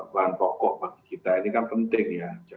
bahan pokok bagi kita ini kan penting ya